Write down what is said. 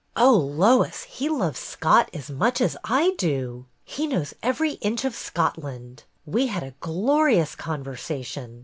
"Oh, Lois, he loves Scott as much as I do. He knows every inch of Scotland ! We had a glorious conversation.